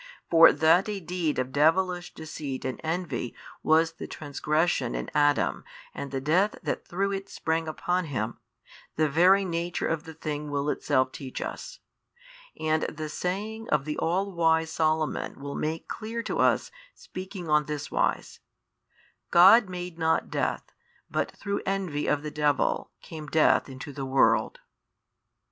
For that a deed of devilish deceit and envy was the transgression in Adam and the death that through it sprang upon him, the very nature of the thing will itself teach us, and the saying of the all wise Solomon will make clear to us speaking on this wise, God made not death, but through envy of the devil came death into the world.